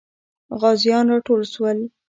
غازیان راټول سول.